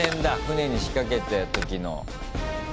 船に仕掛けた時の。